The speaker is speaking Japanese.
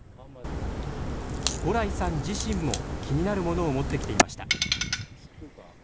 五耒さん自身も、気になるものを持ってきていました。